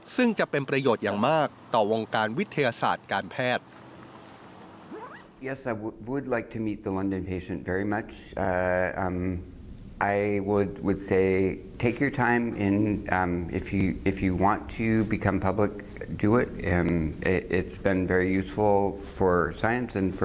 ซึ่งจะเป็นประโยชน์อย่างมากต่อวงการวิทยาศาสตร์การแพทย์